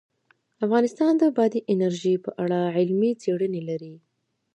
افغانستان د بادي انرژي په اړه علمي څېړنې لري.